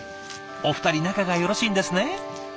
お二人仲がよろしいんですね。